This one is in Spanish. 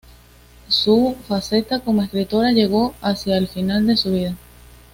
Su faceta como escritora llegó hacia el final de su vida.